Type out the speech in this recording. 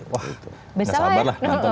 wah gak sabar lah